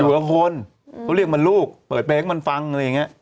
กับคนเขาเรียกมันลูกเปิดเพลงให้มันฟังอะไรอย่างเงี้ย